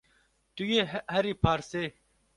Tu yê herî parsê